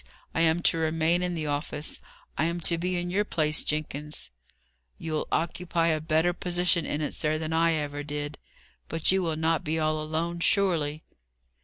I am to remain in the office. I am to be in your place, Jenkins." "You'll occupy a better position in it, sir, than I ever did. But you will not be all alone, surely?"